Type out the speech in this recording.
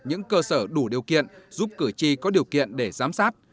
những cơ sở đủ điều kiện giúp cử tri có điều kiện để giám sát